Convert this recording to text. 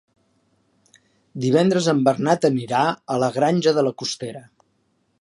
Divendres en Bernat anirà a la Granja de la Costera.